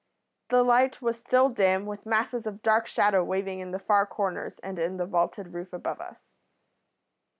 The light was still dim, with masses of dark shadow waving in the far corners and in the vaulted roof above us.